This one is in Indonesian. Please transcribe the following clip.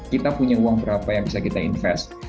kita punya uang berapa yang bisa kita invest